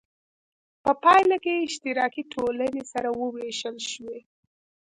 په پایله کې اشتراکي ټولنې سره وویشل شوې.